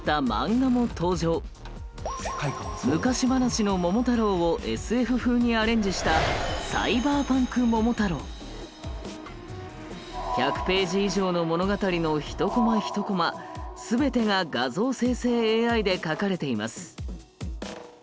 昔話の「桃太郎」をＳＦ風にアレンジした１００ページ以上の物語の１コマ１コマすべてが画像生成ＡＩで描かれています。